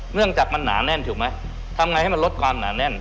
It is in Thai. เนื่องจากมันหนาแน่นถูกไหมทำไงให้มันลดความหนาแน่น